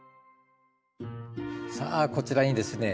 さあこちらにですね